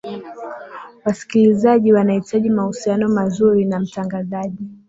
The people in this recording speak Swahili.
wasikilizaji wanahitaji mahusiano mazuri na mtangazaji